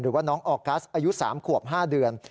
หรือว่าน้องออกัสอายุ๓ขวบ๕เดือน